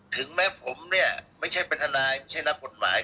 ถึงแม้ผมเนี่ยไม่ใช่เป็นทนายไม่ใช่นักกฎหมาย